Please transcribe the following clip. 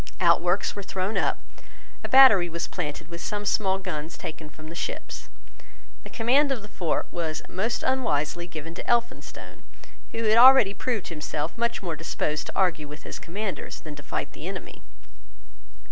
Outworks were thrown up. A battery was planted with some small guns taken from the ships. The command of the fort was most unwisely given to Elphinstone, who had already proved himself much more disposed to argue with his commanders than to fight the enemy.